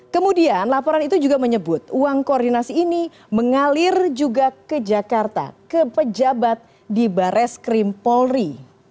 kemudian laporan itu juga menyebut uang koordinasi ini mengalir juga ke jakarta ke pejabat di bares krim polri